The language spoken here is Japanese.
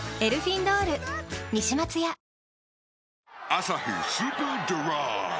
「アサヒスーパードライ」